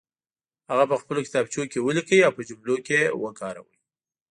هغه په خپلو کتابچو کې ولیکئ او په جملو کې وکاروئ.